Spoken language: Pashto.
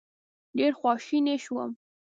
ډېر خواشینی شوم.